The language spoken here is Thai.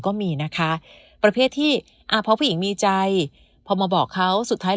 ก็มีนะคะประเภทที่อ่าพอผู้หญิงมีใจพอมาบอกเขาสุดท้าย